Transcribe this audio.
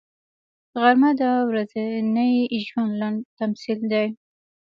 غرمه د ورځني ژوند لنډ تمثیل دی